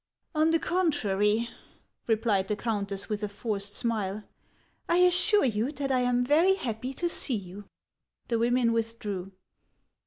" On the contrary," replied the countess, with a forced smile, " I assure you that I am very happy to see you." The women withdrew.